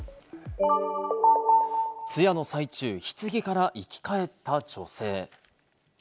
通夜の最中、ひつぎから生き返った女性。